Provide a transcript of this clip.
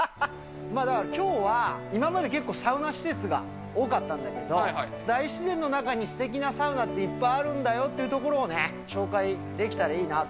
だからきょうは、今まで結構、サウナ施設が多かったんだけど、大自然の中にすてきなサウナっていっぱいあるんだよっていうところをね、紹介できたらいいなと。